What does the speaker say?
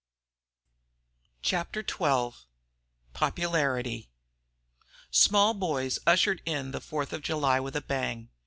CHAPTER XII POPULARITY Small boys ushered in the Fourth of July with a bang.